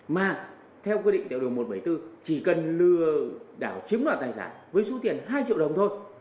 mà theo quy định tại điều một trăm bảy mươi bốn chỉ cần lừa đảo chiếm đoạt tài sản với số tiền hai triệu đồng thôi